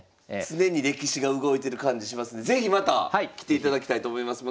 常に歴史が動いてる感じしますんで是非また来ていただきたいと思います。